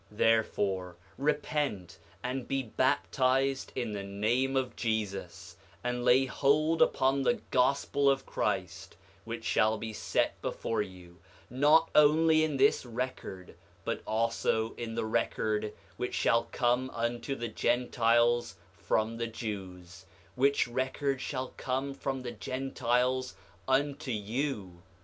7:8 Therefore repent, and be baptized in the name of Jesus, and lay hold upon the gospel of Christ, which shall be set before you, not only in this record but also in the record which shall come unto the Gentiles from the Jews, which record shall come from the Gentiles unto you.